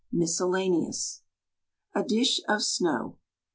MISCELLANEOUS A DISH OF SNOW.